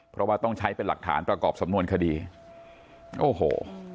เพราะว่าต้องใช้เป็นหลักฐานประกอบสำนวนคดีโอ้โห